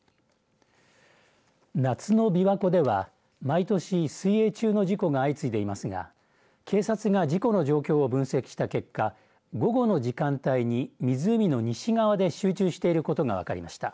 夏のびわ湖では毎年、水泳中の事故が相次いでいますが警察が事故の状況を分析した結果午後の時間帯に湖の西側で集中していることが分かりました。